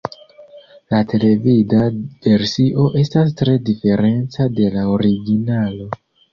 La televida versio estas tre diferenca de la originalo.